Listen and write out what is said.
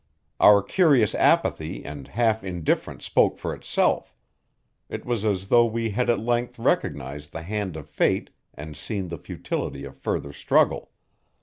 Our curious apathy and half indifference spoke for itself; it was as though we had at length recognized the hand of fate and seen the futility of further struggle.